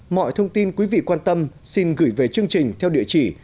mọi thông tin quý vị quan tâm xin gửi về chương trình theo địa chỉ